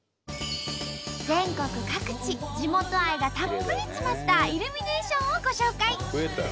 全国各地地元愛がたっぷり詰まったイルミネーションをご紹介！